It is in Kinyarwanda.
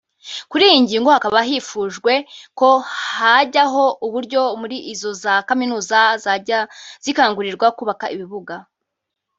kuri iyi ngingo hakaba hifujwe ko hajyaho uburyo muri izo za kaminuza zajya zikangurirwa kubaka ibibuga